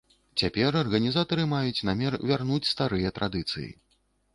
Цяпер арганізатары маюць намер вярнуць старыя традыцыі.